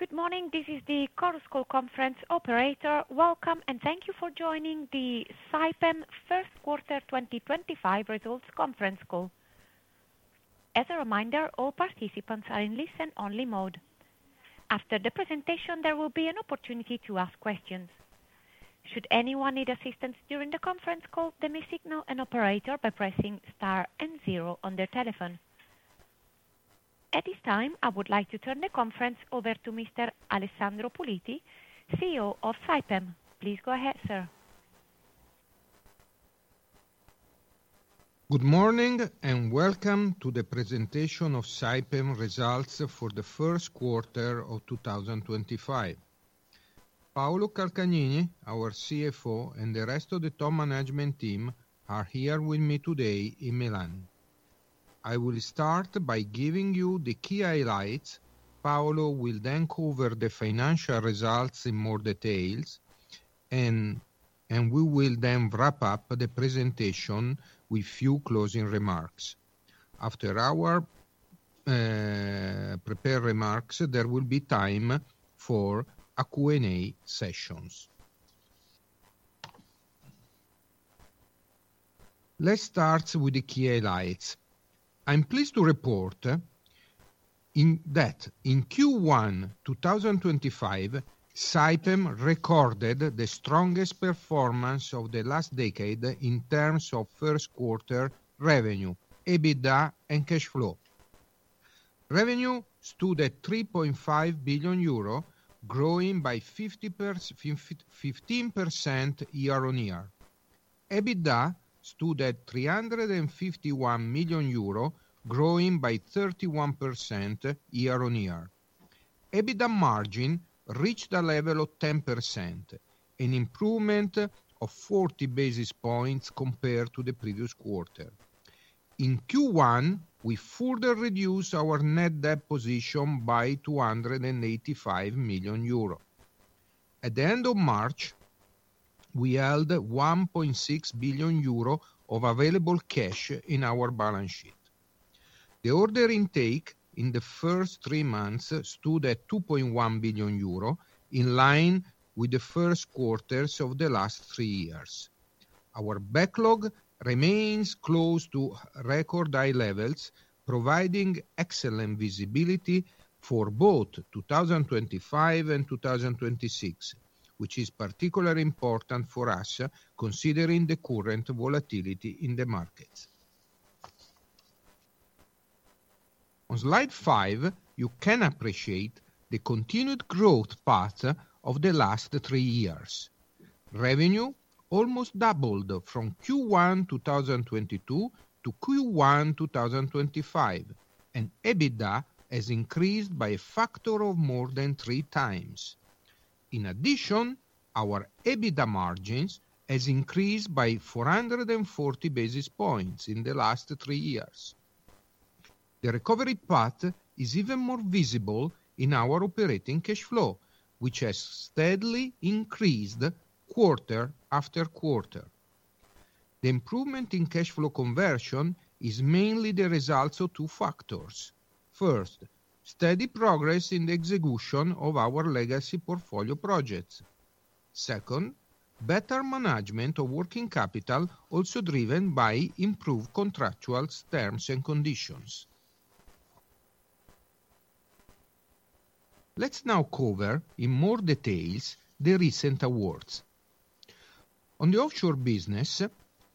Good morning, this is the Chorus Call conference operator. Welcome, and thank you for joining the Saipem First Quarter 2025 Results Conference Call. As a reminder, all participants are in listen-only mode. After the presentation, there will be an opportunity to ask questions. Should anyone need assistance during the conference call, they may signal an operator by pressing star and zero on their telephone. At this time, I would like to turn the conference over to Mr. Alessandro Puliti, CEO of Saipem. Please go ahead, sir. Good morning, and welcome to the presentation of Saipem Results for the first quarter of 2025. Paolo Calcagnini, our CFO, and the rest of the top management team are here with me today in Milan. I will start by giving you the key highlights. Paolo will then cover the financial results in more detail, and we will then wrap up the presentation with a few closing remarks. After our prepared remarks, there will be time for a Q&A session. Let's start with the key highlights. I'm pleased to report that in Q1 2025, Saipem recorded the strongest performance of the last decade in terms of first-quarter revenue, EBITDA, and cash flow. Revenue stood at 3.5 billion euro, growing by 15% year-on-year. EBITDA stood at 351 million euro, growing by 31% year-on-year. EBITDA margin reached a level of 10%, an improvement of 40 basis points compared to the previous quarter. In Q1, we further reduced our net debt position by 285 million euro. At the end of March, we held 1.6 billion euro of available cash in our balance sheet. The order intake in the first three months stood at 2.1 billion euro, in line with the first quarters of the last three years. Our backlog remains close to record-high levels, providing excellent visibility for both 2025 and 2026, which is particularly important for us considering the current volatility in the markets. On slide 5, you can appreciate the continued growth path of the last three years. Revenue almost doubled from Q1 2022 to Q1 2025, and EBITDA has increased by a factor of more than three times. In addition, our EBITDA margins have increased by 440 basis points in the last three years. The recovery path is even more visible in our operating cash flow, which has steadily increased quarter after quarter. The improvement in cash flow conversion is mainly the result of two factors. First, steady progress in the execution of our legacy portfolio projects. Second, better management of working capital, also driven by improved contractual terms and conditions. Let's now cover in more detail the recent awards. On the offshore business,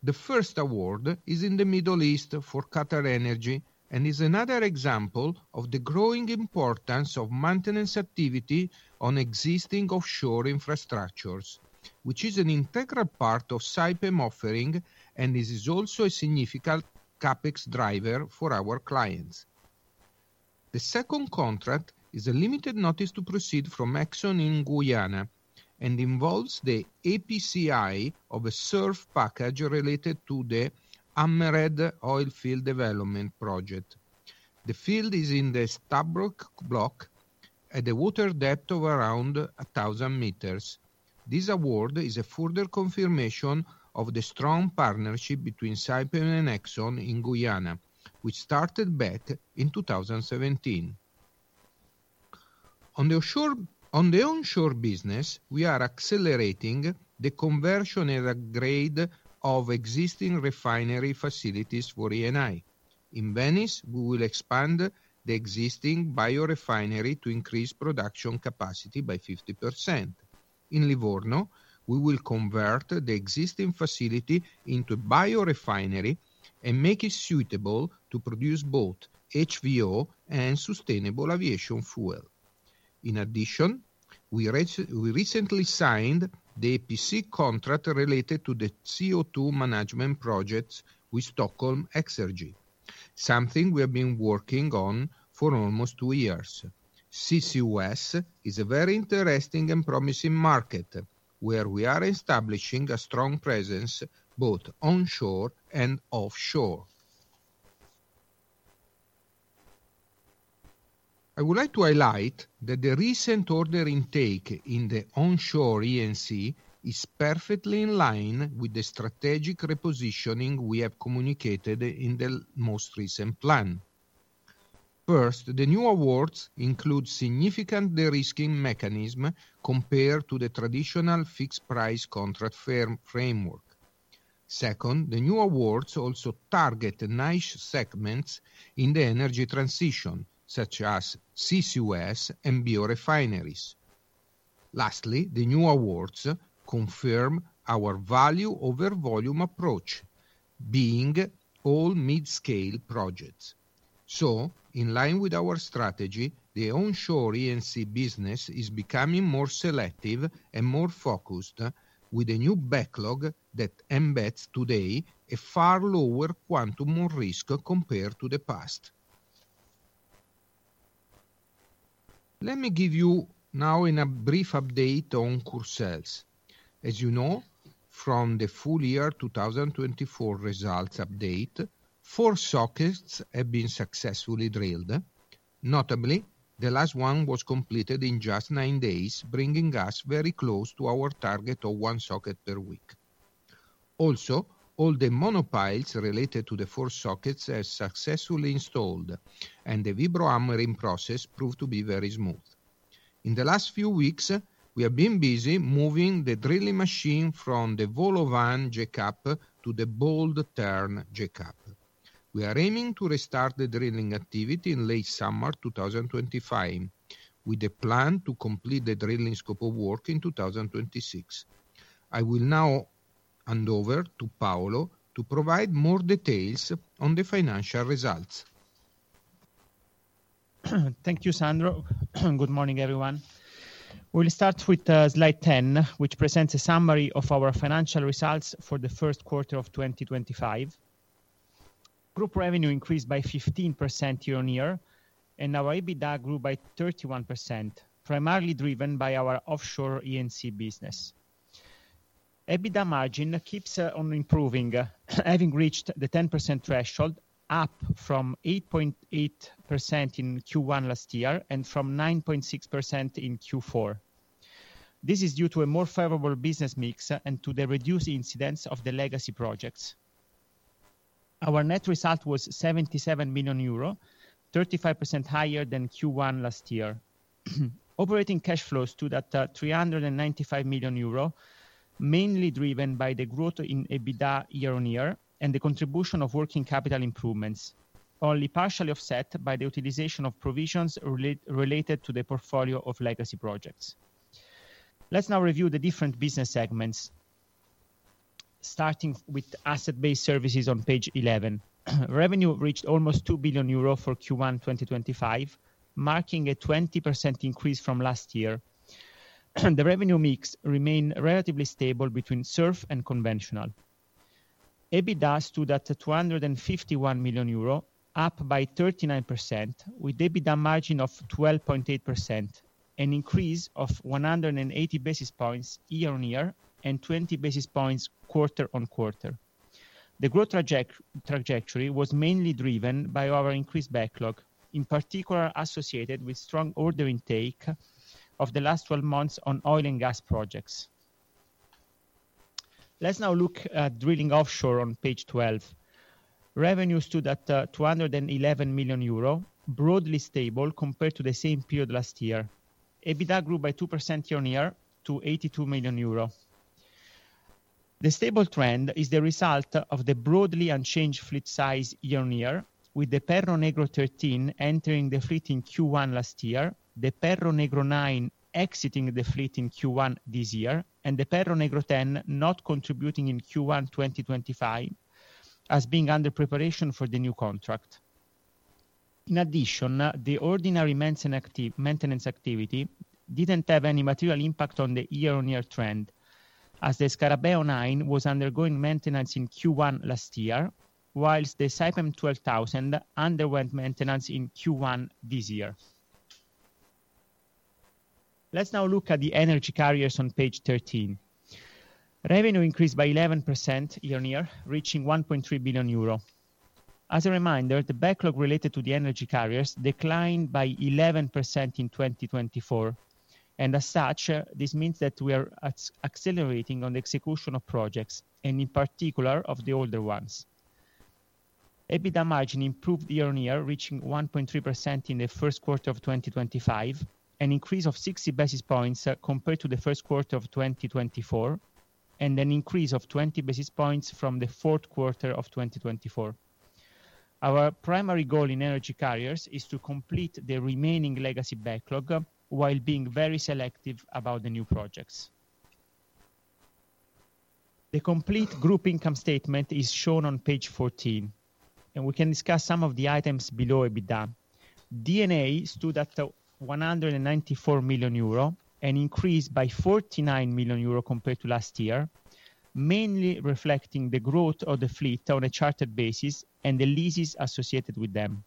the first award is in the Middle East for QatarEnergy and is another example of the growing importance of maintenance activity on existing offshore infrastructures, which is an integral part of Saipem offering and is also a significant CapEx driver for our clients. The second contract is a limited notice to proceed from Exxon in Guyana and involves the EPCI of a SURF package related to the Hammerhead oil field development project. The field is in the Stabroek Block at a water depth of around 1,000 meters. This award is a further confirmation of the strong partnership between Saipem and Exxon in Guyana, which started back in 2017. On the onshore business, we are accelerating the conversion and upgrade of existing refinery facilities for E&I. In Venice, we will expand the existing biorefinery to increase production capacity by 50%. In Livorno, we will convert the existing facility into a biorefinery and make it suitable to produce both HVO and sustainable aviation fuel. In addition, we recently signed the EPC contract related to the CO2 management projects with Stockholm Exergi, something we have been working on for almost two years. CCUS is a very interesting and promising market where we are establishing a strong presence both onshore and offshore. I would like to highlight that the recent order intake in the onshore E&C is perfectly in line with the strategic repositioning we have communicated in the most recent plan. First, the new awards include significant de-risking mechanisms compared to the traditional fixed-price contract framework. Second, the new awards also target niche segments in the energy transition, such as CCUS and biorefineries. Lastly, the new awards confirm our value-over-volume approach, being all mid-scale projects. In line with our strategy, the onshore E&C business is becoming more selective and more focused, with a new backlog that embeds today a far lower quantum risk compared to the past. Let me give you now a brief update on Courseulles. As you know, from the full year 2024 results update, four sockets have been successfully drilled. Notably, the last one was completed in just nine days, bringing us very close to our target of one socket per week. Also, all the monopiles related to the four sockets are successfully installed, and the vibracoring process proved to be very smooth. In the last few weeks, we have been busy moving the drilling machine from the Vole au Vent jack-up to the Blue Tern jack-up. We are aiming to restart the drilling activity in late summer 2025, with a plan to complete the drilling scope of work in 2026. I will now hand over to Paolo to provide more details on the financial results. Thank you, Sandro. Good morning, everyone. We'll start with slide 10, which presents a summary of our financial results for the first quarter of 2025. Group revenue increased by 15% year-on-year, and our EBITDA grew by 31%, primarily driven by our offshore E&C business. EBITDA margin keeps on improving, having reached the 10% threshold, up from 8.8% in Q1 last year and from 9.6% in Q4. This is due to a more favorable business mix and to the reduced incidence of the legacy projects. Our net result was 77 million euro, 35% higher than Q1 last year. Operating cash flows stood at 395 million euro, mainly driven by the growth in EBITDA year-on-year and the contribution of working capital improvements, only partially offset by the utilization of provisions related to the portfolio of legacy projects. Let's now review the different business segments, starting with asset-based services on page 11. Revenue reached almost 2 billion euro for Q1 2025, marking a 20% increase from last year. The revenue mix remained relatively stable between SURF and conventional. EBITDA stood at 251 million euro, up by 39%, with EBITDA margin of 12.8%, an increase of 180 basis points year-on-year and 20 basis points quarter on quarter. The growth trajectory was mainly driven by our increased backlog, in particular associated with strong order intake of the last 12 months on oil and gas projects. Let's now look at drilling offshore on page 12. Revenue stood at 211 million euro, broadly stable compared to the same period last year. EBITDA grew by 2% year-on-year to EUR 82 million. The stable trend is the result of the broadly unchanged fleet size year-on-year, with the Perro Negro 13 entering the fleet in Q1 last year, the Perro Negro 9 exiting the fleet in Q1 this year, and the Perro Negro 10 not contributing in Q1 2025 as being under preparation for the new contract. In addition, the ordinary maintenance activity did not have any material impact on the year-on-year trend, as the Scarabeo 9 was undergoing maintenance in Q1 last year, whilst the Saipem 12,000 underwent maintenance in Q1 this year. Let's now look at the energy carriers on page 13. Revenue increased by 11% year-on-year, reaching 1.3 billion euro. As a reminder, the backlog related to the energy carriers declined by 11% in 2024, and as such, this means that we are accelerating on the execution of projects, and in particular of the older ones. EBITDA margin improved year-on-year, reaching 1.3% in the first quarter of 2025, an increase of 60 basis points compared to the first quarter of 2024, and an increase of 20 basis points from the fourth quarter of 2024. Our primary goal in energy carriers is to complete the remaining legacy backlog while being very selective about the new projects. The complete group income statement is shown on page 14, and we can discuss some of the items below EBITDA. D&A stood at 194 million euro and increased by 49 million euro compared to last year, mainly reflecting the growth of the fleet on a chartered basis and the leases associated with them.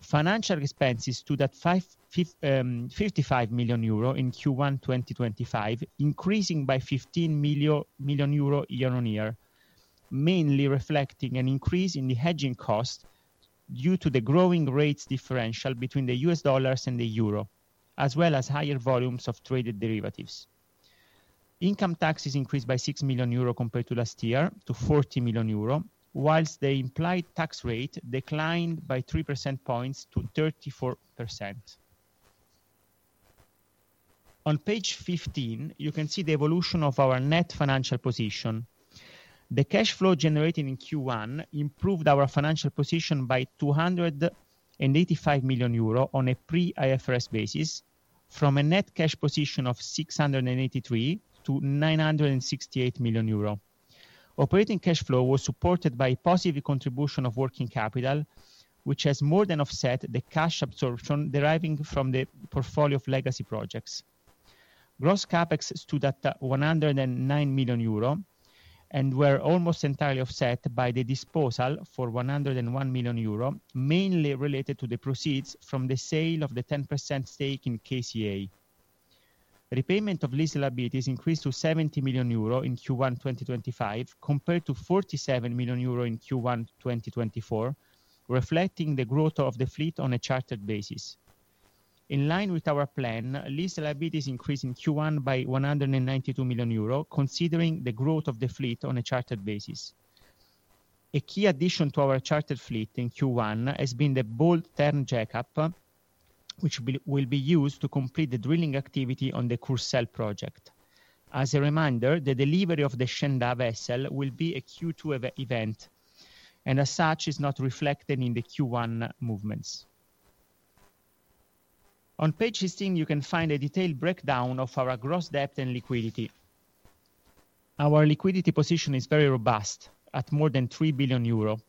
Financial expenses stood at 55 million euro in Q1 2025, increasing by 15 million year-on-year, mainly reflecting an increase in the hedging cost due to the growing rates differential between the US dollars and the euro, as well as higher volumes of traded derivatives. Income taxes increased by 6 million euro compared to last year to 40 million euro, whilst the implied tax rate declined by 3 percentage points to 34%. On page 15, you can see the evolution of our net financial position. The cash flow generated in Q1 improved our financial position by 285 million euro on a pre-IFRS basis, from a net cash position of 683 million to 968 million euro. Operating cash flow was supported by a positive contribution of working capital, which has more than offset the cash absorption deriving from the portfolio of legacy projects. Gross CapEx stood at 109 million euro and were almost entirely offset by the disposal for 101 million euro, mainly related to the proceeds from the sale of the 10% stake in KCA Deutag. Repayment of lease liabilities increased to 70 million euro in Q1 2025 compared to 47 million euro in Q1 2024, reflecting the growth of the fleet on a chartered basis. In line with our plan, lease liabilities increased in Q1 by 192 million euro, considering the growth of the fleet on a chartered basis. A key addition to our chartered fleet in Q1 has been the Blue Tern jack-up, which will be used to complete the drilling activity on the Courseulles project. As a reminder, the delivery of the Shen Da vessel will be a Q2 event, and as such, it is not reflected in the Q1 movements. On page 16, you can find a detailed breakdown of our gross debt and liquidity. Our liquidity position is very robust, at more than 3 billion euro.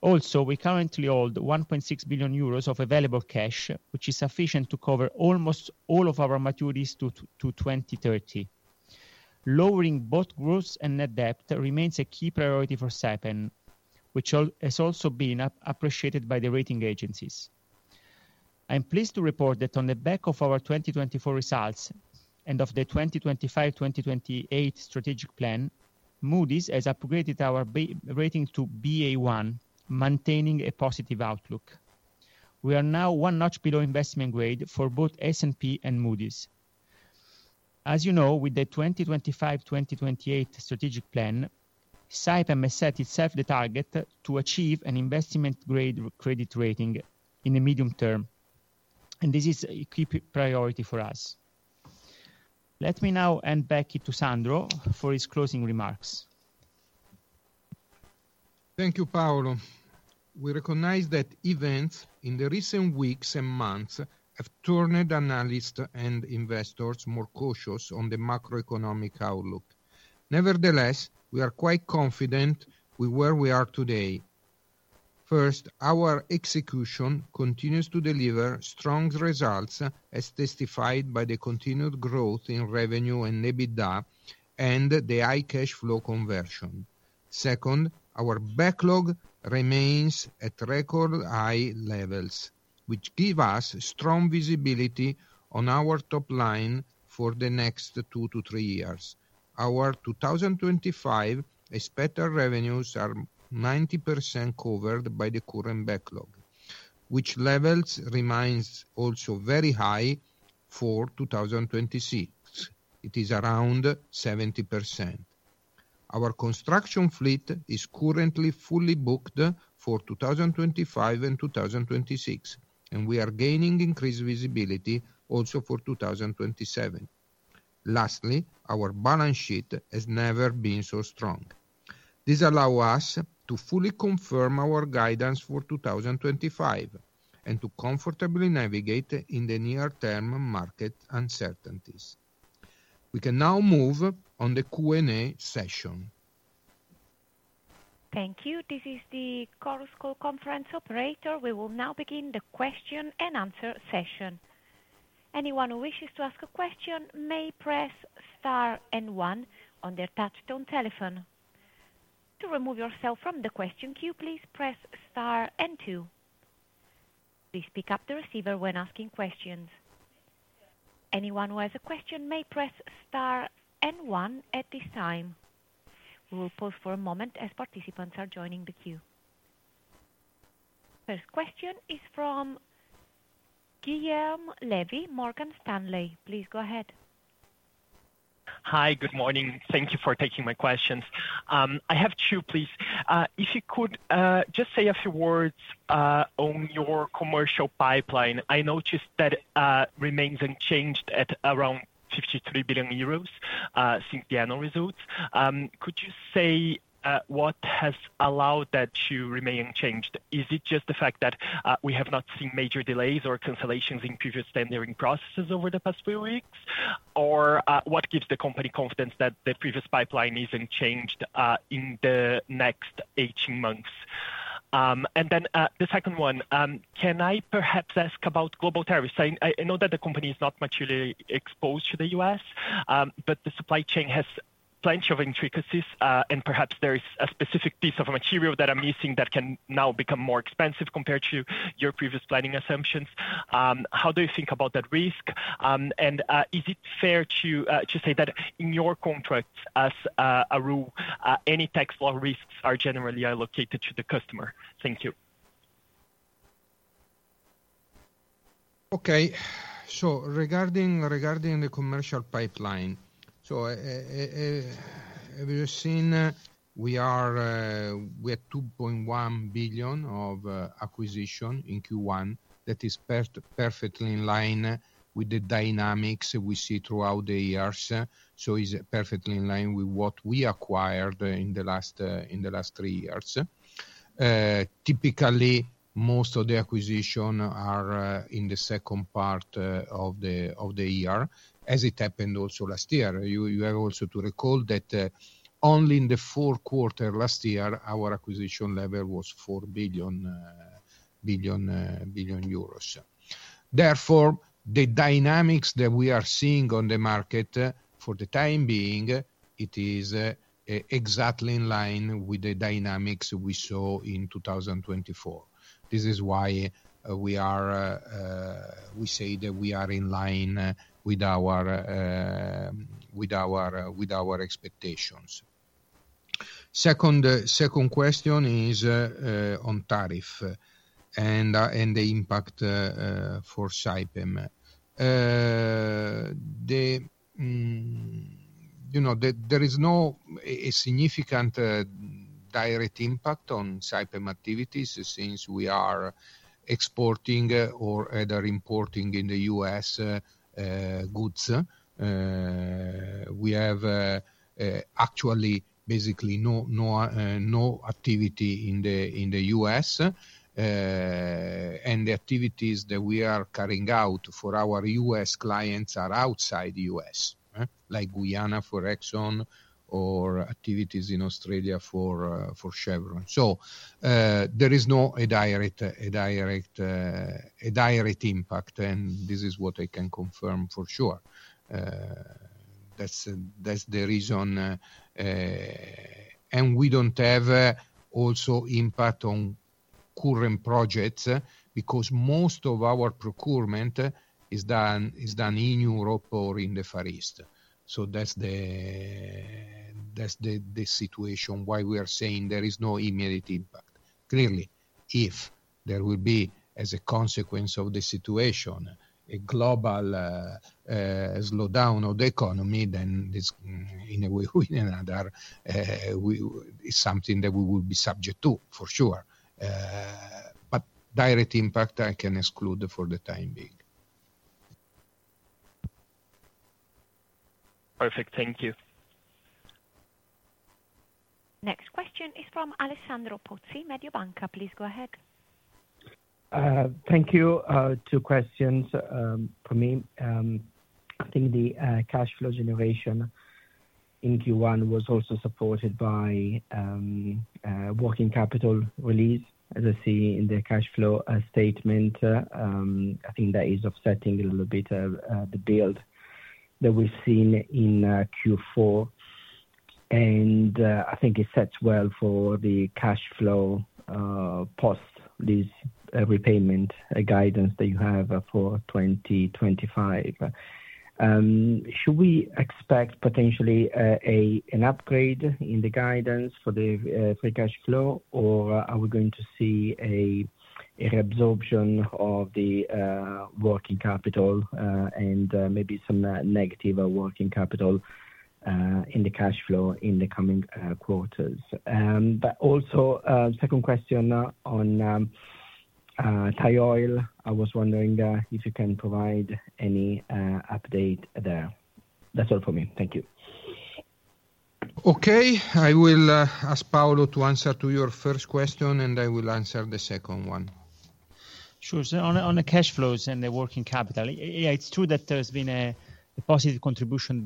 Also, we currently hold 1.6 billion euros of available cash, which is sufficient to cover almost all of our maturities to 2030. Lowering both gross and net debt remains a key priority for Saipem, which has also been appreciated by the rating agencies. I'm pleased to report that on the back of our 2024 results and of the 2025-2028 strategic plan, Moody's has upgraded our rating to Ba1, maintaining a positive outlook. We are now one notch below investment grade for both S&P and Moody's. As you know, with the 2025-2028 strategic plan, Saipem has set itself the target to achieve an investment-grade credit rating in the medium term, and this is a key priority for us. Let me now hand back to Sandro for his closing remarks. Thank you, Paolo. We recognize that events in the recent weeks and months have turned analysts and investors more cautious on the macroeconomic outlook. Nevertheless, we are quite confident with where we are today. First, our execution continues to deliver strong results, as testified by the continued growth in revenue and EBITDA and the high cash flow conversion. Second, our backlog remains at record high levels, which gives us strong visibility on our top line for the next two to three years. Our 2025 expected revenues are 90% covered by the current backlog, which levels remain also very high for 2026. It is around 70%. Our construction fleet is currently fully booked for 2025 and 2026, and we are gaining increased visibility also for 2027. Lastly, our balance sheet has never been so strong. This allows us to fully confirm our guidance for 2025 and to comfortably navigate in the near-term market uncertainties. We can now move on to the Q&A session. Thank you. This is the Chorus Call conference operator. We will now begin the question and answer session. Anyone who wishes to ask a question may press star and one on their touchstone telephone. To remove yourself from the question queue, please press star and two. Please pick up the receiver when asking questions. Anyone who has a question may press Star and One at this time. We will pause for a moment as participants are joining the queue. First question is from Guilherme Levy Morgan Stanley. Please go ahead. Hi, good morning. Thank you for taking my questions. I have two, please. If you could just say a few words on your commercial pipeline. I noticed that remains unchanged at around 63 billion euros since the annual results. Could you say what has allowed that to remain unchanged? Is it just the fact that we have not seen major delays or cancellations in previous tendering processes over the past few weeks, or what gives the company confidence that the previous pipeline isn't changed in the next 18 months? The second one, can I perhaps ask about global tariffs? I know that the company is not materially exposed to the U.S., but the supply chain has plenty of intricacies, and perhaps there is a specific piece of material that I'm missing that can now become more expensive compared to your previous planning assumptions. How do you think about that risk? Is it fair to say that in your contract, as a rule, any tax law risks are generally allocated to the customer? Thank you. Okay. Regarding the commercial pipeline, as you've seen, we are at 2.1 billion of acquisition in Q1. That is perfectly in line with the dynamics we see throughout the years. It is perfectly in line with what we acquired in the last three years. Typically, most of the acquisitions are in the second part of the year, as it happened also last year. You have also to recall that only in the fourth quarter last year, our acquisition level was 4 billion euros. Therefore, the dynamics that we are seeing on the market for the time being, it is exactly in line with the dynamics we saw in 2024. This is why we say that we are in line with our expectations. Second question is on tariff and the impact for Saipem. There is no significant direct impact on Saipem activities since we are exporting or either importing in the U.S. goods. We have actually, basically, no activity in the U.S., and the activities that we are carrying out for our U.S. clients are outside the U.S., like Guyana, for example, or activities in Australia for Chevron. There is no direct impact, and this is what I can confirm for sure. That's the reason. We don't have also impact on current projects because most of our procurement is done in Europe or in the Far East. That's the situation why we are saying there is no immediate impact. Clearly, if there will be, as a consequence of the situation, a global slowdown of the economy, then in a way or another, it's something that we will be subject to, for sure. Direct impact, I can exclude for the time being. Perfect. Thank you. Next question is from Alessandro Pozzi, Mediobanca. Please go ahead. Thank you. Two questions for me. I think the cash flow generation in Q1 was also supported by working capital release, as I see in the cash flow statement. I think that is offsetting a little bit of the build that we've seen in Q4, and I think it sets well for the cash flow post this repayment guidance that you have for 2025. Should we expect potentially an upgrade in the guidance for the free cash flow, or are we going to see an absorption of the working capital and maybe some negative working capital in the cash flow in the coming quarters? Also, second question on Thai Oil. I was wondering if you can provide any update there. That's all for me. Thank you. Okay. I will ask Paolo to answer to your first question, and I will answer the second one. Sure. On the cash flows and the working capital, yeah, it's true that there's been a positive contribution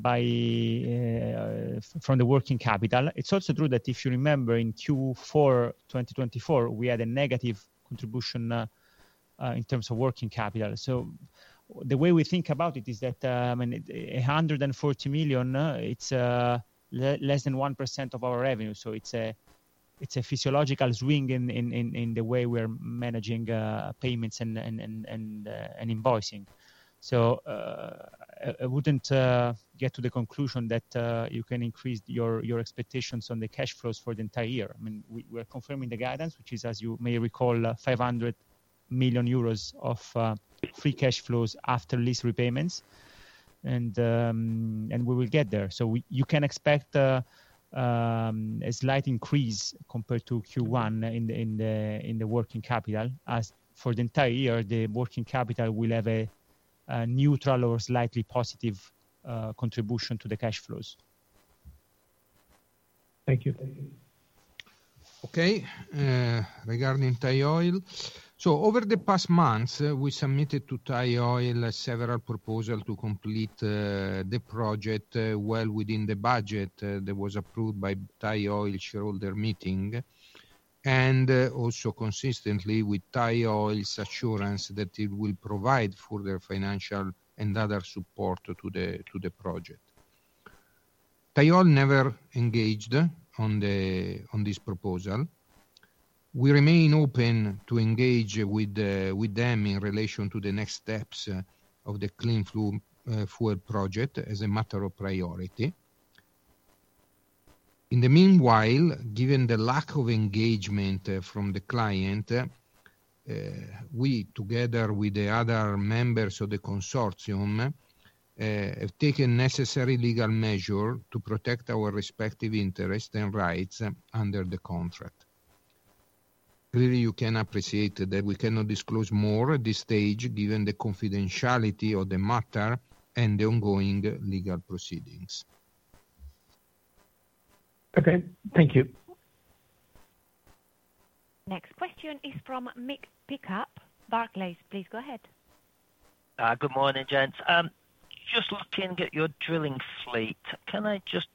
from the working capital. It's also true that if you remember, in Q4 2024, we had a negative contribution in terms of working capital. The way we think about it is that, I mean, 140 million, it's less than 1% of our revenue. It's a physiological swing in the way we're managing payments and invoicing. I wouldn't get to the conclusion that you can increase your expectations on the cash flows for the entire year. I mean, we are confirming the guidance, which is, as you may recall, 500 million euros of free cash flows after lease repayments, and we will get there. You can expect a slight increase compared to Q1 in the working capital. As for the entire year, the working capital will have a neutral or slightly positive contribution to the cash flows. Thank you. Okay. Regarding Thai Oil, over the past months, we submitted to Thai Oil several proposals to complete the project well within the budget that was approved by the Thai Oil shareholder meeting, and also consistently with Thai Oil's assurance that it will provide further financial and other support to the project. Thai Oil never engaged on this proposal. We remain open to engage with them in relation to the next steps of the Clean Fuel Project as a matter of priority. In the meanwhile, given the lack of engagement from the client, we, together with the other members of the consortium, have taken necessary legal measures to protect our respective interests and rights under the contract. Clearly, you can appreciate that we cannot disclose more at this stage, given the confidentiality of the matter and the ongoing legal proceedings. Okay. Thank you. Next question is from Mick Pickup, Barclays. Please go ahead. Good morning, gents. Just looking at your drilling fleet, can I just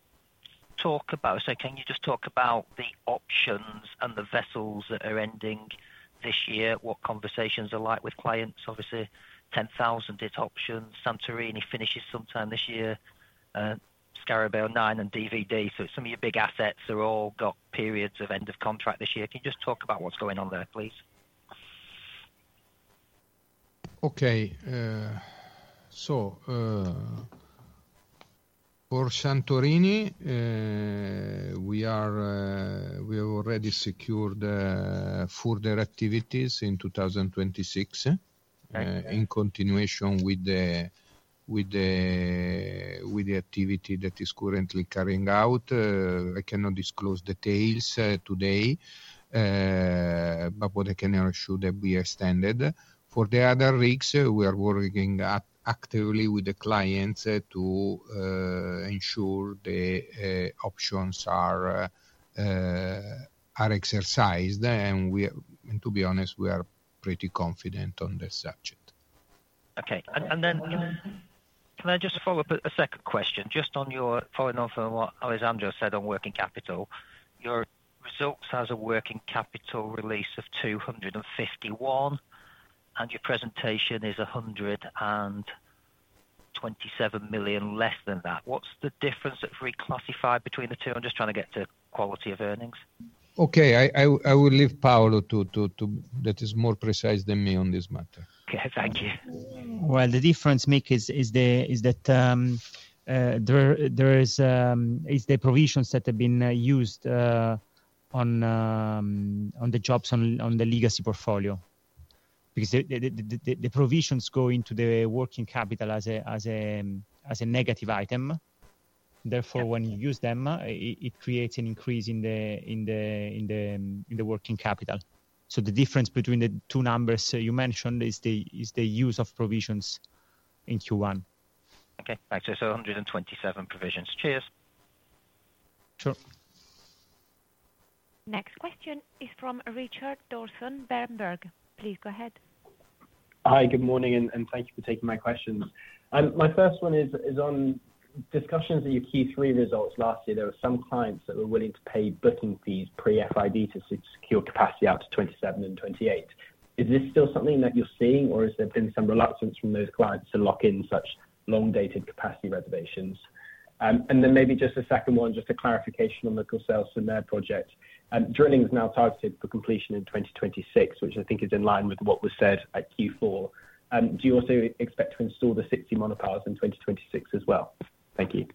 talk about, sorry, can you just talk about the options and the vessels that are ending this year, what conversations are like with clients? Obviously, Saipem 10000 option, Santorini finishes sometime this year, Scarabeo 9 and DVD. Some of your big assets have all got periods of end of contract this year. Can you just talk about what's going on there, please? Okay. For Santorini, we have already secured further activities in 2026 in continuation with the activity that is currently carrying out. I cannot disclose details today, but what I can assure is that we extended. For the other rigs, we are working actively with the clients to ensure the options are exercised, and to be honest, we are pretty confident on this subject. Okay. Can I just follow up a second question? Just following off on what Alessandro said on working capital, your results as a working capital release of 251 million, and your presentation is 127 million less than that. What's the difference that's reclassified between the two? I'm just trying to get to quality of earnings. Okay. I will leave Paolo to—that is more precise than me on this matter. Okay. Thank you. The difference, Mick, is that there are the provisions that have been used on the jobs on the legacy portfolio because the provisions go into the working capital as a negative item. Therefore, when you use them, it creates an increase in the working capital. The difference between the two numbers you mentioned is the use of provisions in Q1. Okay. So 127 provisions. Cheers. Sure. Next question is from Richard Dawson Berenberg. Please go ahead. Hi, good morning, and thank you for taking my questions. My first one is on discussions of your Q3 results last year. There were some clients that were willing to pay booking fees pre-FID to secure capacity out to 2027 and 2028. Is this still something that you're seeing, or has there been some reluctance from those clients to lock in such long-dated capacity reservations? Maybe just a second one, just a clarification on Courseulles project. Drilling is now targeted for completion in 2026, which I think is in line with what was said at Q4. Do you also expect to install the 60 monopiles in 2026 as well? Thank you.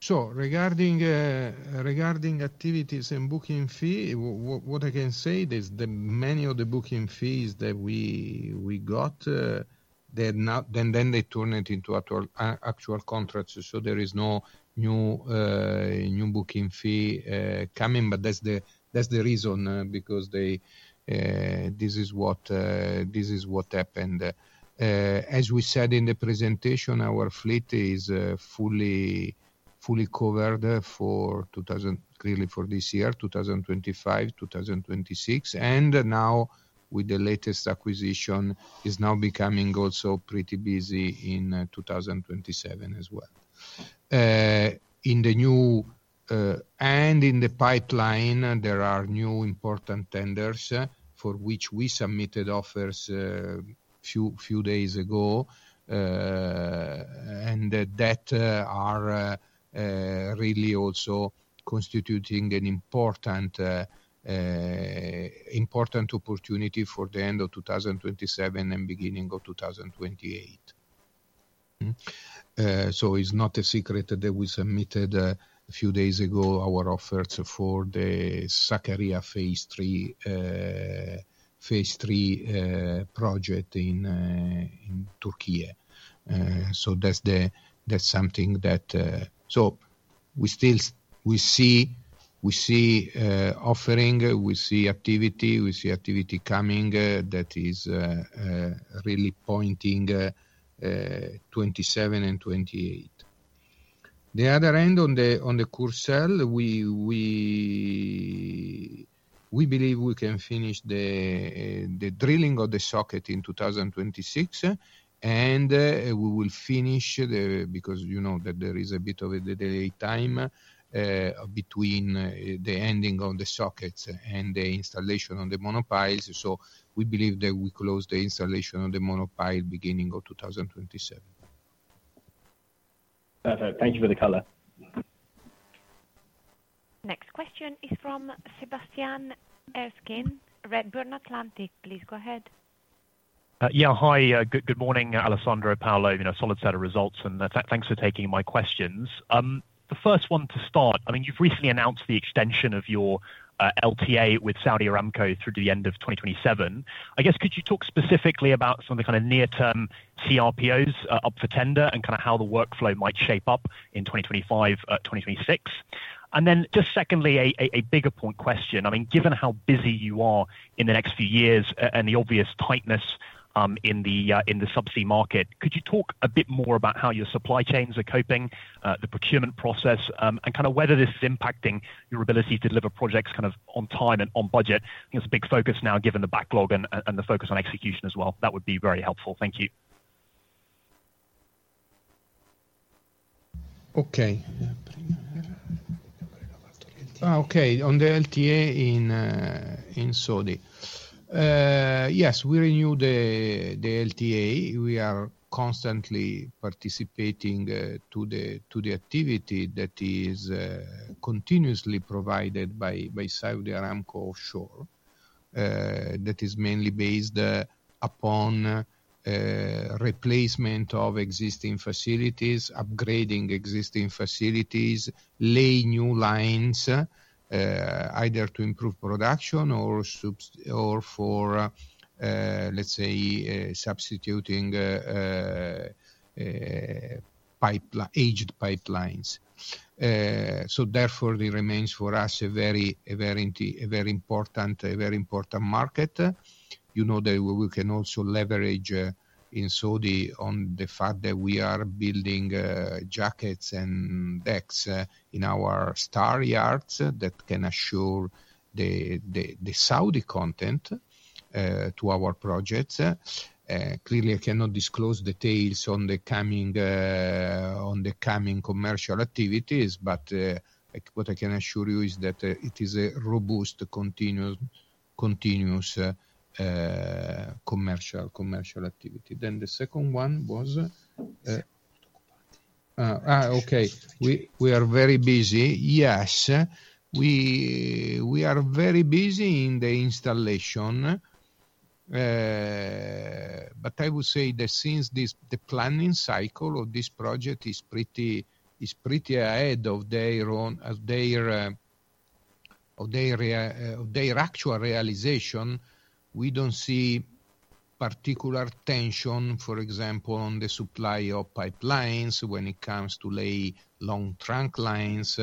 Sure. Regarding activities and booking fee, what I can say is that many of the booking fees that we got, then they turn it into actual contracts. There is no new booking fee coming, but that's the reason because this is what happened. As we said in the presentation, our fleet is fully covered clearly for this year, 2025, 2026, and now with the latest acquisition, it's now becoming also pretty busy in 2027 as well. In the new and in the pipeline, there are new important tenders for which we submitted offers a few days ago, and that are really also constituting an important opportunity for the end of 2027 and beginning of 2028. It is not a secret that we submitted a few days ago our offers for the Sakarya Phase 3 project in Türkiye. That's something that—we see offering, we see activity, we see activity coming that is really pointing 2027 and 2028. The other end on the Courseulles, we believe we can finish the drilling of the socket in 2026, and we will finish because you know that there is a bit of a delay time between the ending of the sockets and the installation on the monopiles. We believe that we close the installation of the monopile beginning of 2027. Perfect. Thank you for the color. Next question is from Sebastian Erskine, Redburn Atlantic. Please go ahead. Yeah. Hi. Good morning, Alessandro. Paolo, solid set of results, and thanks for taking my questions. The first one to start, I mean, you've recently announced the extension of your LTA with Saudi Aramco through to the end of 2027. I guess, could you talk specifically about some of the kind of near-term CRPOs up for tender and kind of how the workflow might shape up in 2025, 2026? Then just secondly, a bigger point question. I mean, given how busy you are in the next few years and the obvious tightness in the subsea market, could you talk a bit more about how your supply chains are coping, the procurement process, and kind of whether this is impacting your ability to deliver projects kind of on time and on budget? There's a big focus now given the backlog and the focus on execution as well. That would be very helpful. Thank you. Okay. Okay. On the LTA in Saudi. Yes, we renewed the LTA. We are constantly participating to the activity that is continuously provided by Saudi Aramco offshore. That is mainly based upon replacement of existing facilities, upgrading existing facilities, laying new lines, either to improve production or for, let's say, substituting aged pipelines. Therefore, it remains for us a very important, a very important market. You know that we can also leverage in Saudi on the fact that we are building jackets and decks in our STAR yards that can assure the Saudi content to our projects. Clearly, I cannot disclose details on the coming commercial activities, but what I can assure you is that it is a robust, continuous commercial activity. The second one was—okay. We are very busy. Yes. We are very busy in the installation, but I would say that since the planning cycle of this project is pretty ahead of their actual realization, we do not see particular tension, for example, on the supply of pipelines when it comes to laying long trunk lines,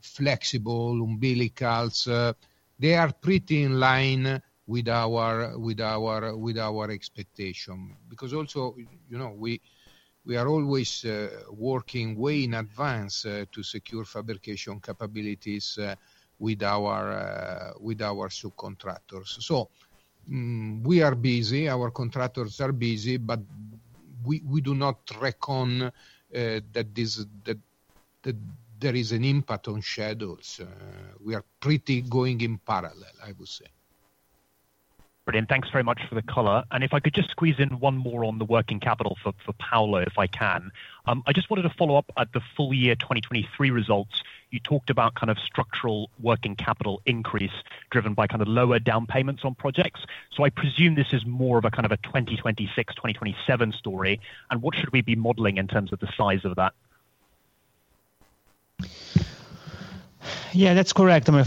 flexible umbilicals. They are pretty in line with our expectation because also we are always working way in advance to secure fabrication capabilities with our subcontractors. We are busy. Our contractors are busy, but we do not reckon that there is an impact on schedules. We are pretty going in parallel, I would say. Brilliant. Thanks very much for the color. If I could just squeeze in one more on the working capital for Paolo, if I can. I just wanted to follow up at the full year 2023 results. You talked about kind of structural working capital increase driven by kind of lower down payments on projects. I presume this is more of a kind of a 2026, 2027 story. What should we be modeling in terms of the size of that? Yeah, that's correct. I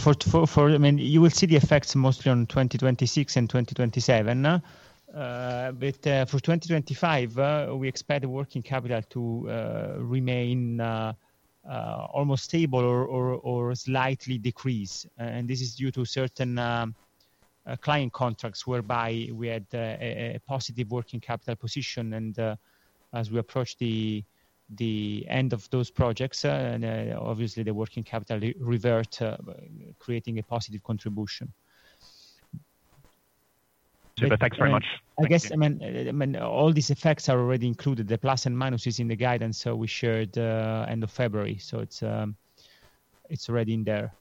mean, you will see the effects mostly on 2026 and 2027. For 2025, we expect the working capital to remain almost stable or slightly decrease. This is due to certain client contracts whereby we had a positive working capital position. As we approach the end of those projects, obviously, the working capital reverts, creating a positive contribution. Thanks very much. I guess, I mean, all these effects are already included. The plus and minus is in the guidance we shared end of February. It is already in there.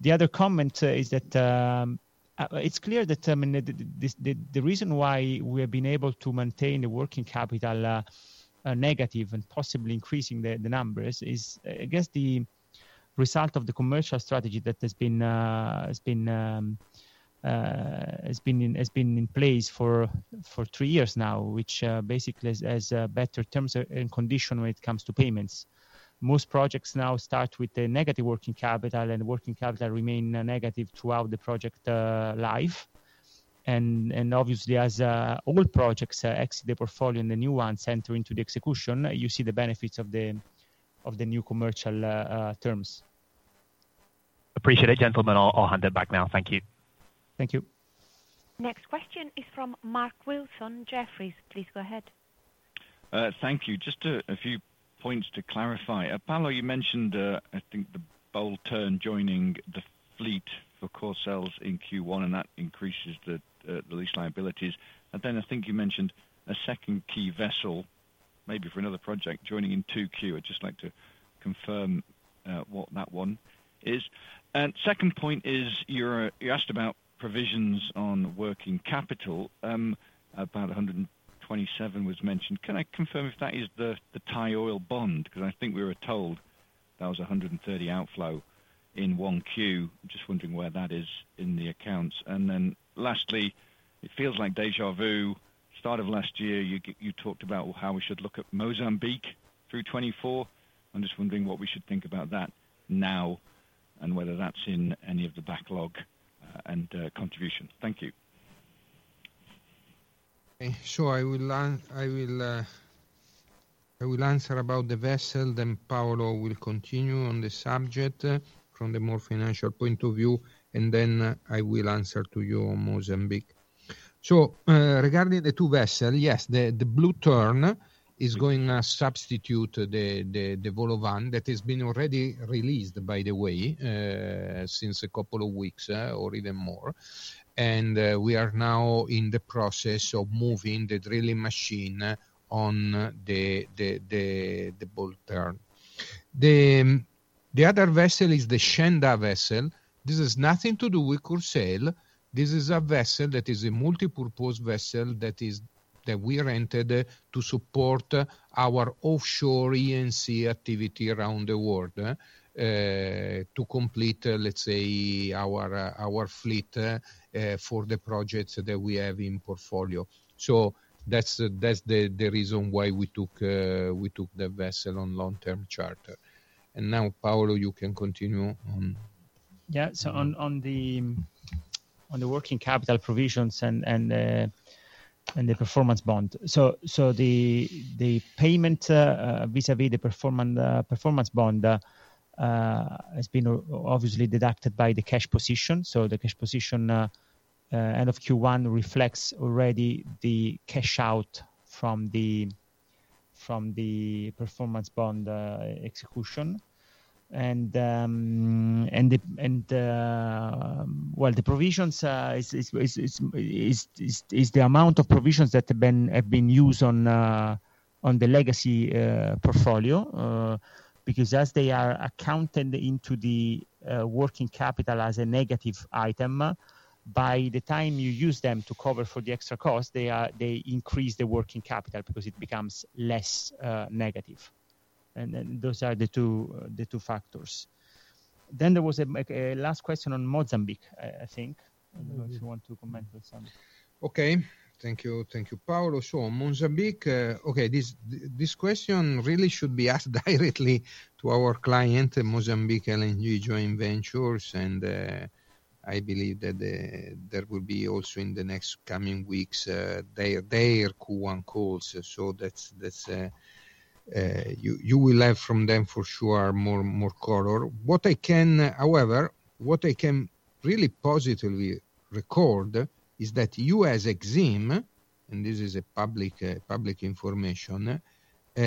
The other comment is that it is clear that the reason why we have been able to maintain the working capital negative and possibly increasing the numbers is, I guess, the result of the commercial strategy that has been in place for three years now, which basically has better terms and conditions when it comes to payments. Most projects now start with negative working capital, and working capital remains negative throughout the project life. Obviously, as old projects exit the portfolio and the new ones enter into the execution, you see the benefits of the new commercial terms. Appreciate it, gentlemen. I'll hand it back now. Thank you. Thank you. Next question is from Mark Wilson Jefferies. Please go ahead. Thank you. Just a few points to clarify. Paolo, you mentioned, I think, the Bold Tern joining the fleet for Courseulles in Q1, and that increases the lease liabilities. I think you mentioned a second key vessel, maybe for another project, joining in 2Q. I'd just like to confirm what that one is. Second point is you asked about provisions on working capital. About 127 million was mentioned. Can I confirm if that is the Thai Oil bond? Because I think we were told that was 130 million outflow in 1Q. I'm just wondering where that is in the accounts. Lastly, it feels like déjà vu. Start of last year, you talked about how we should look at Mozambique through 2024. I'm just wondering what we should think about that now and whether that's in any of the backlog and contribution. Thank you. Sure. I will answer about the vessel. Paolo will continue on the subject from the more financial point of view, and I will answer to you on Mozambique. Regarding the two vessels, yes, the Blue Tern is going to substitute the Vole au Vent that has been already released, by the way, since a couple of weeks or even more. We are now in the process of moving the drilling machine on the Blue Tern. The other vessel is the Shen Da vessel. This has nothing to do with Courseulles. This is a vessel that is a multi-purpose vessel that we rented to support our offshore E&C activity around the world to complete, let's say, our fleet for the projects that we have in portfolio. That is the reason why we took the vessel on long-term charter. Paolo, you can continue on. Yeah. On the working capital provisions and the performance bond, the payment vis-à-vis the performance bond has been obviously deducted by the cash position. The cash position at the end of Q1 reflects already the cash out from the performance bond execution. The provisions are the amount of provisions that have been used on the legacy portfolio because as they are accounted into the working capital as a negative item, by the time you use them to cover for the extra cost, they increase the working capital because it becomes less negative. Those are the two factors. There was a last question on Mozambique, I think. I do not know if you want to comment on some. Okay. Thank you, Paolo. Sure. Mozambique. Okay. This question really should be asked directly to our client, Mozambique LNG Joint Ventures. I believe that there will be also in the next coming weeks their Q1 calls. You will have from them for sure more color. However, what I can really positively record is that US Exim, and this is public information, has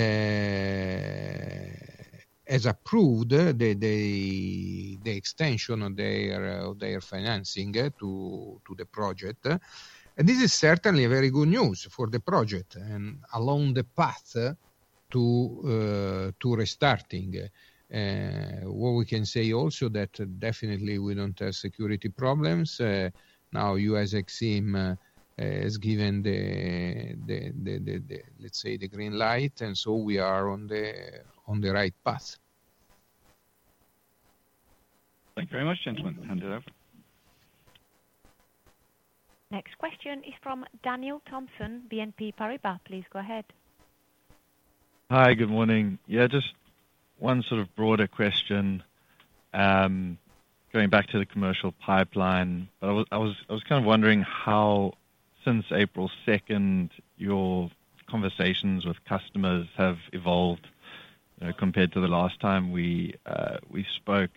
approved the extension of their financing to the project. This is certainly very good news for the project and along the path to restarting. What we can say also is that definitely we don't have security problems. Now US Exim has given the, let's say, the green light, and we are on the right path. Thank you very much, gentlemen. Hand it over. Next question is from Daniel Thomson, BNP Paribas. Please go ahead. Hi. Good morning. Yeah. Just one sort of broader question going back to the commercial pipeline. I was kind of wondering how, since April 2, your conversations with customers have evolved compared to the last time we spoke.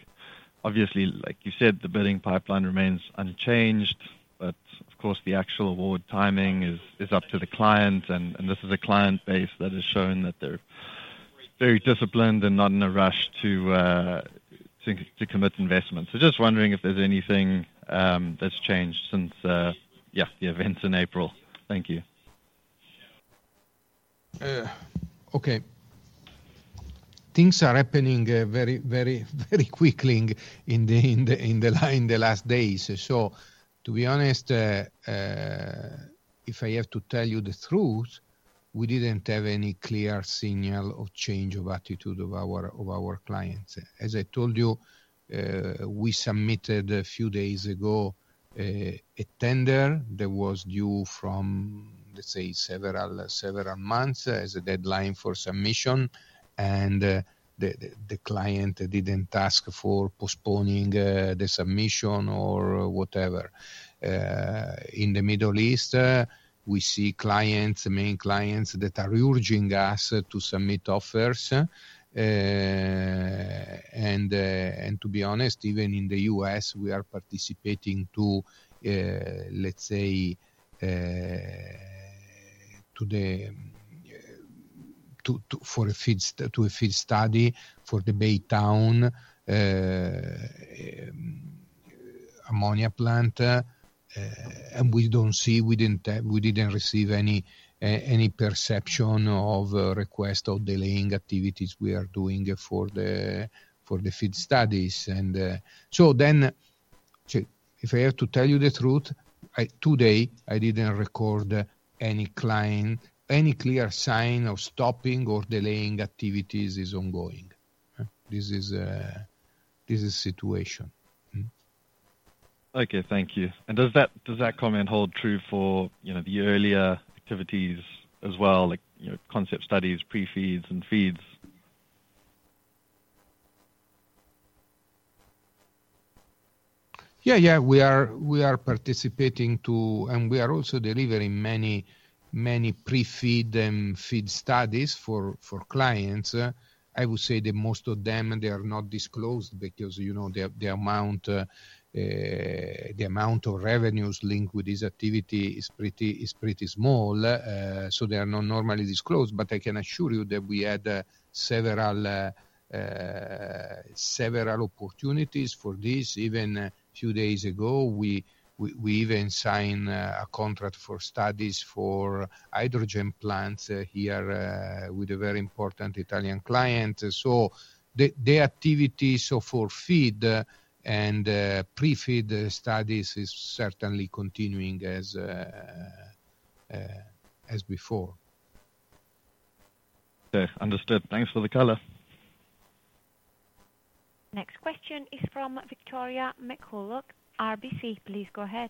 Obviously, like you said, the billing pipeline remains unchanged, but of course, the actual award timing is up to the client. This is a client base that has shown that they're very disciplined and not in a rush to commit investments. Just wondering if there's anything that's changed since, yeah, the events in April. Thank you. Okay. Things are happening very quickly in the last days. To be honest, if I have to tell you the truth, we did not have any clear signal of change of attitude of our clients. As I told you, we submitted a few days ago a tender that was due from, let's say, several months as a deadline for submission. The client did not ask for postponing the submission or whatever. In the Middle East, we see clients, main clients that are urging us to submit offers. To be honest, even in the U.S., we are participating to, let's say, for a field study for the Baytown ammonia plant. We do not see, we did not receive any perception of request of delaying activities we are doing for the field studies. If I have to tell you the truth, today, I didn't record any client, any clear sign of stopping or delaying activities is ongoing. This is the situation. Okay. Thank you. Does that comment hold true for the earlier activities as well, like concept studies, pre-feeds, and feeds? Yeah, yeah. We are participating too, and we are also delivering many pre-feed and feed studies for clients. I would say that most of them, they are not disclosed because the amount of revenues linked with this activity is pretty small. They are not normally disclosed. I can assure you that we had several opportunities for this. Even a few days ago, we even signed a contract for studies for hydrogen plants here with a very important Italian client. The activities for feed and pre-feed studies is certainly continuing as before. Understood. Thanks for the color. Next question is from Victoria McCulloch, RBC. Please go ahead.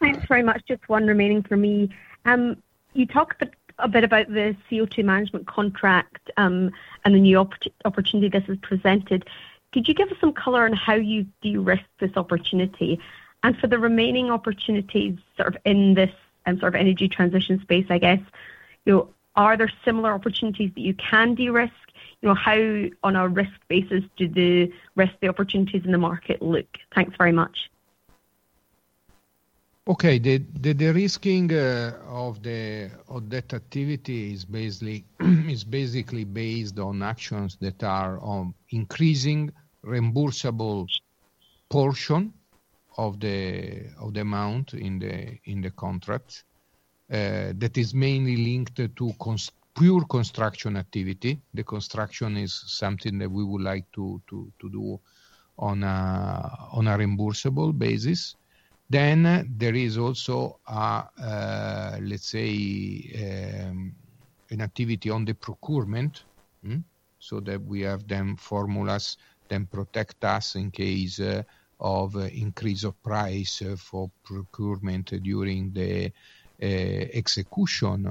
Thanks very much. Just one remaining for me. You talked a bit about the CO2 management contract and the new opportunity this has presented. Could you give us some color on how you de-risk this opportunity? For the remaining opportunities sort of in this sort of energy transition space, I guess, are there similar opportunities that you can de-risk? How, on a risk basis, do the risk opportunities in the market look? Thanks very much. Okay. The risking of that activity is basically based on actions that are on increasing reimbursable portion of the amount in the contract that is mainly linked to pure construction activity. The construction is something that we would like to do on a reimbursable basis. There is also, let's say, an activity on the procurement so that we have formulas that protect us in case of increase of price for procurement during the execution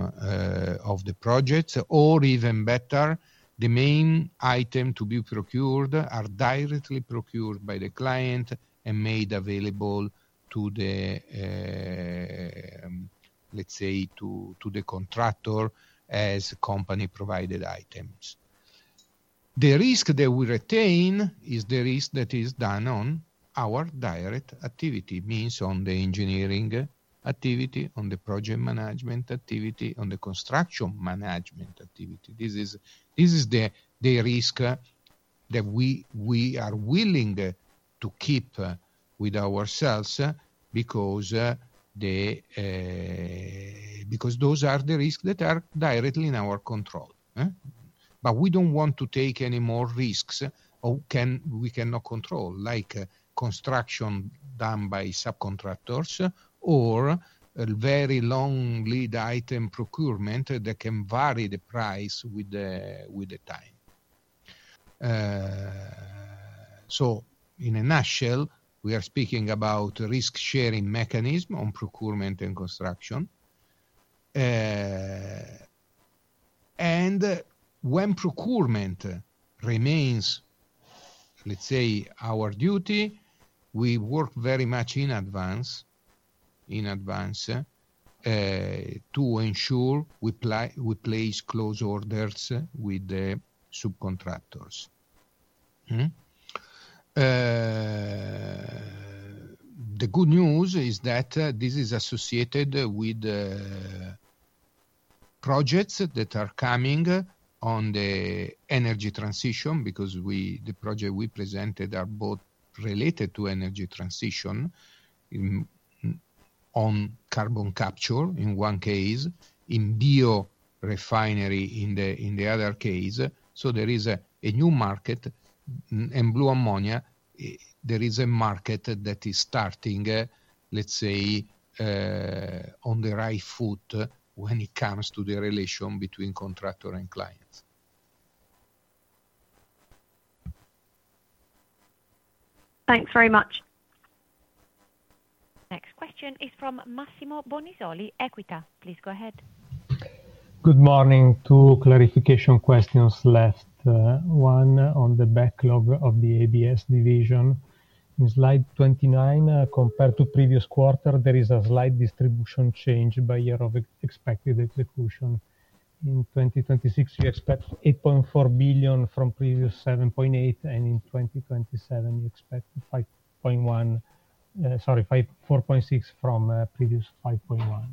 of the projects. Or even better, the main item to be procured are directly procured by the client and made available to the, let's say, to the contractor as company-provided items. The risk that we retain is the risk that is done on our direct activity. It means on the engineering activity, on the project management activity, on the construction management activity. This is the risk that we are willing to keep with ourselves because those are the risks that are directly in our control. We do not want to take any more risks we cannot control, like construction done by subcontractors or very long lead item procurement that can vary the price with the time. In a nutshell, we are speaking about risk-sharing mechanism on procurement and construction. When procurement remains, let's say, our duty, we work very much in advance to ensure we place close orders with the subcontractors. The good news is that this is associated with projects that are coming on the energy transition because the project we presented are both related to energy transition on carbon capture in one case, in biorefinery in the other case. There is a new market in blue ammonia. There is a market that is starting, let's say, on the right foot when it comes to the relation between contractor and client. Thanks very much. Next question is from Massimo Bonisoli, Equita. Please go ahead. Good morning. Two clarification questions left. One on the backlog of the ABS division. In slide 29, compared to previous quarter, there is a slight distribution change by year of expected execution. In 2026, you expect 8.4 billion from previous 7.8 billion, and in 2027, you expect 4.6 billion from previous 5.1 billion.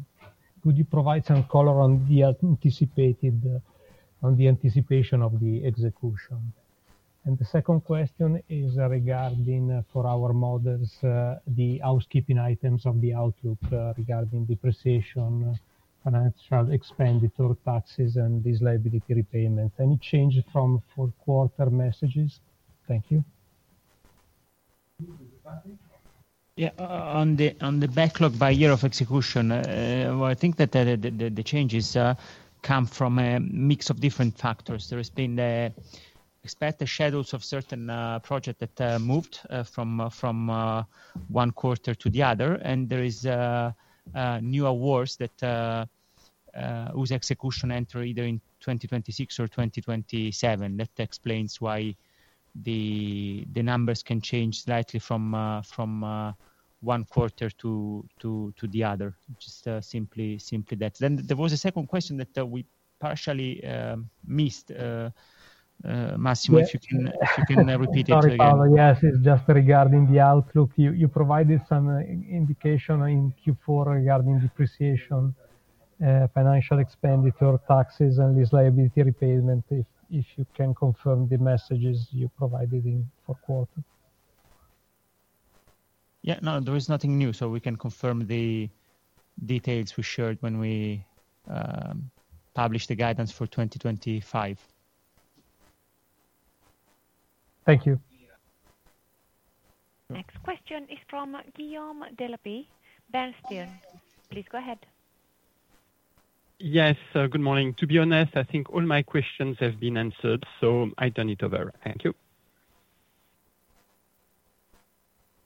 Could you provide some color on the anticipation of the execution? The second question is regarding for our models, the housekeeping items of the outlook regarding depreciation, financial expenditure, taxes, and lease liability repayments. Any change from fourth-quarter messages? Thank you. Yeah. On the backlog by year of execution, I think that the changes come from a mix of different factors. There has been expected shadows of certain projects that moved from one quarter to the other. There is new awards whose execution enter either in 2026 or 2027. That explains why the numbers can change slightly from one quarter to the other. Just simply that. There was a second question that we partially missed. Massimo, if you can repeat it again. Yes. It's just regarding the outlook. You provided some indication in Q4 regarding depreciation, financial expenditure, taxes, and disliability repayment. If you can confirm the messages you provided in fourth quarter. Yeah. No, there is nothing new. We can confirm the details we shared when we published the guidance for 2025. Thank you. Next question is from Guillaume Delaby, Bernstein. Please go ahead. Yes. Good morning. To be honest, I think all my questions have been answered. I turn it over. Thank you.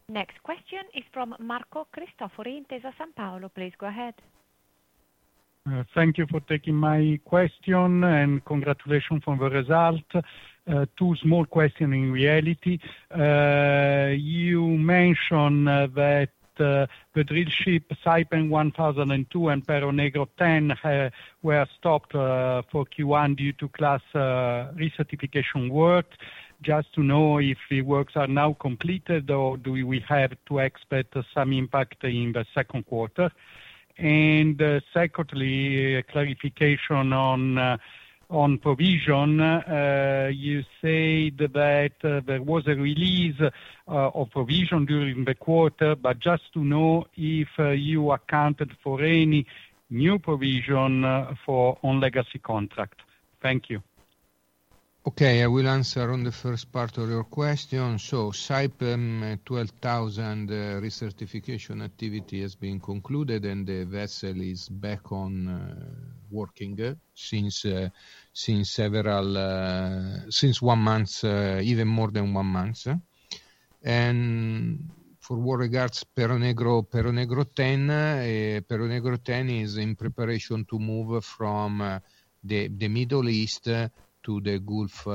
Next question is from Marco Cristofori Intesa Sanpaolo. Please go ahead. Thank you for taking my question and congratulations for the result. Two small questions in reality. You mentioned that the drill ship, Saipem 12000 and Perro Negro 10, were stopped for Q1 due to class recertification work. Just to know if the works are now completed or do we have to expect some impact in the second quarter? Secondly, clarification on provision. You said that there was a release of provision during the quarter, but just to know if you accounted for any new provision on legacy contract. Thank you. Okay. I will answer on the first part of your question. Saipem 12,000 recertification activity has been concluded, and the vessel is back on working since one month, even more than one month. For what regards Perro Negro 10, Perro Negro 10 is in preparation to move from the Middle East to the Gulf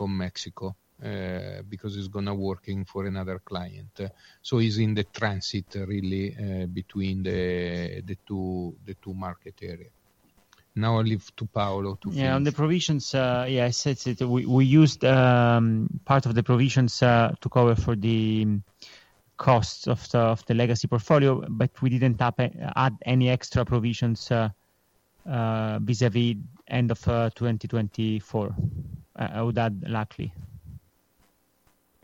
of Mexico because it's going to work for another client. It's in the transit really between the two market areas. Now I'll leave to Paolo to finish. Yeah. On the provisions, yeah, I said we used part of the provisions to cover for the costs of the legacy portfolio, but we didn't add any extra provisions vis-à-vis end of 2024. I would add likely.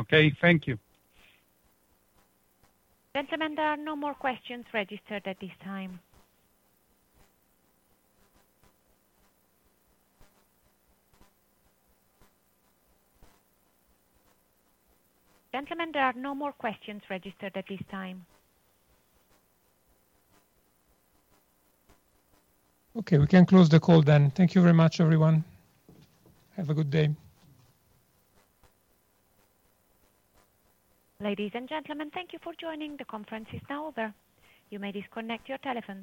Okay. Thank you. Gentlemen, there are no more questions registered at this time. Okay. We can close the call then. Thank you very much, everyone. Have a good day. Ladies and gentlemen, thank you for joining. The conference is now over. You may disconnect your telephones.